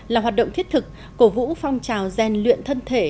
là hoạt động thiết thực cổ vũ phong trào rèn luyện thân thể